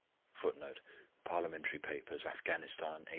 [Footnote: Parliamentary Papers, Afghanistan, 1878.